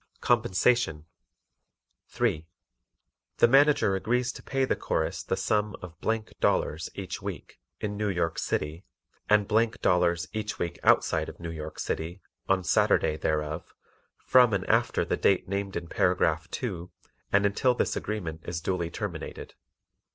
Compensation 3. The Manager agrees to pay the Chorus the sum of Dollars ($) each week, in New York City, and Dollars ($) each week outside of New York City, on Saturday thereof, from and after the date named in paragraph "2" and until this agreement is duly terminated.